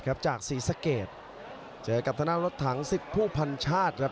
มุมแดงกับรถถังสิทธิ์ผู้พันธาตุครับ